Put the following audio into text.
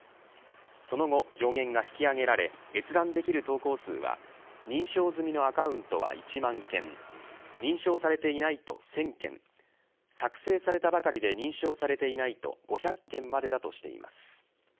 その後、上限が引き上げられ閲覧できる投稿数は認証済みのアカウントは１万件認証されていないと１０００件作成されたばかりで認証されていないと５００件までだとしています。